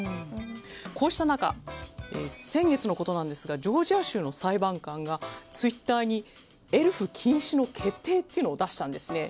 こうした中、先月ですがジョージア州の裁判官がツイッターにエルフ禁止の決定というのを出したんですね。